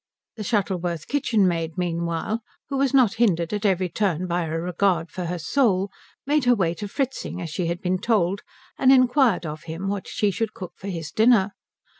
The Shuttleworth kitchenmaid meanwhile, who was not hindered at every turn by a regard for her soul, made her way to Fritzing as she had been told and inquired of him what she should cook for his dinner.